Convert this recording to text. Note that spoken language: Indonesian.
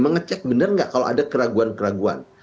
mengecek benar nggak kalau ada keraguan keraguan